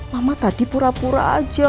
lama tadi pura pura aja